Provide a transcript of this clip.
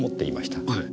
はい。